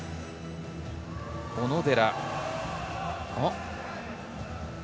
小野寺。